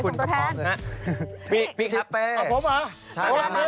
นี่เดี๋ยวส่งตัวแทน